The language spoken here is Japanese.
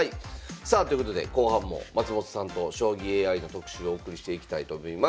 さあということで後半も松本さんと将棋ＡＩの特集をお送りしていきたいと思います。